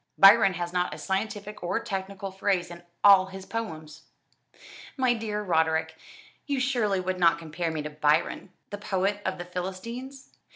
Byron has not a scientific or technical phrase in all his poems." "My dear Roderick, you surely would not compare me to Byron, the poet of the Philistines.